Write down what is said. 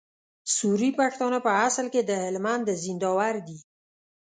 سوري پښتانه په اصل کي د هلمند د زينداور دي